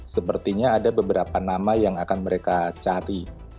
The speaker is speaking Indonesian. sepertinya ada beberapa nama yang akan mereka cari